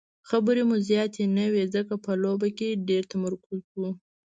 خبرې مو زیاتې نه وې ځکه په لوبه کې ډېر تمرکز وو.